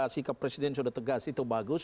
sikap presiden sudah tegas itu bagus